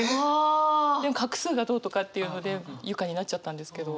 でも画数がどうとかっていうので「由佳」になっちゃったんですけど。